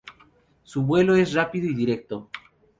Su vuelo es rápido y directo.